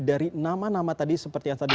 dari nama nama tadi seperti yang tadi